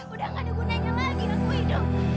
udah gak ada gunanya lagi aku hidup